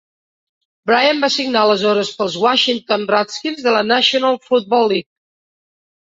Bryant va signar aleshores pels Washington Redskins de la National Football League.